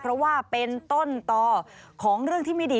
เพราะว่าเป็นต้นต่อของเรื่องที่ไม่ดี